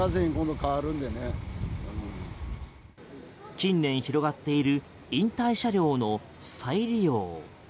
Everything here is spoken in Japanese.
近年広がっている引退車両の再利用。